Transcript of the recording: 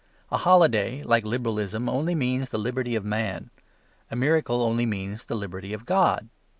A holiday, like Liberalism, only means the liberty of man. A miracle only means the liberty of God.